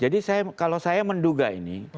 jadi kalau saya menduga ini mereka mungkin sadar